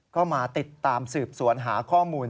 ก็มาติดตามสืบสวนหาข้อมูล